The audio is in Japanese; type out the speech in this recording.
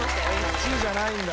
１位じゃないんだ。